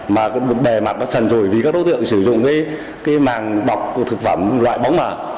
mà cái bề mặt nó sần rùi vì các đối tượng sử dụng cái màng bọc của thực phẩm loại bóng mà